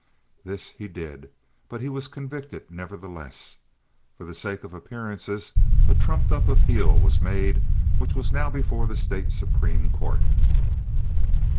This he did, but he was convicted nevertheless. For the sake of appearances, a trumped up appeal was made which was now before the State Supreme Court.